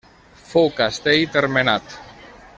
Fou castell termenat.